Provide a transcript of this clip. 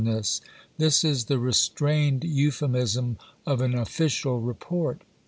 This is the restrained euphemism of an official report.